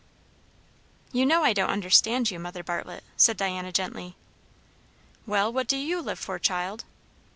"You know I don't understand you, Mother Bartlett," said Diana gently. "Well, what do you live for, child?"